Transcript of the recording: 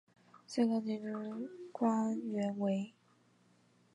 最高军职官员为。